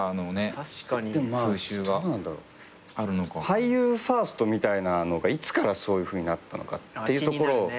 俳優ファーストみたいなのがいつからそういうふうになったのかっていうところ。